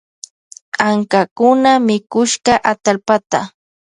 Ankakuna mikushka atallpata.